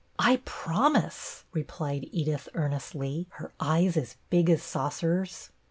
" I promise," replied Edith, earnestly, her eyes as big as saucers.